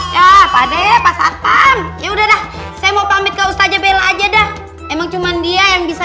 ya pada pasang ya udah dah saya mau pamit ke ustazah bella aja dah emang cuman dia yang bisa